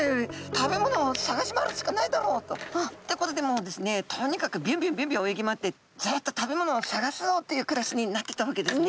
食べ物を探し回るしかないだろうと。ということでもうですねとにかくビュンビュンビュンビュン泳ぎ回ってずっと食べ物を探すぞっていう暮らしになってったわけですね。